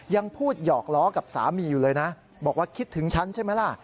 ยังพูดหยอกล้อกับสามีอยู่เลยนะบอกว่าคิดถึงฉันใช่ไหมล่ะ